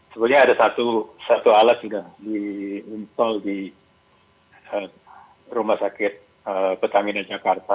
sebenarnya ada satu alat juga di install di rumah sakit petamina jakarta